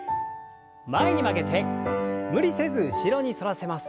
前に曲げて無理せず後ろに反らせます。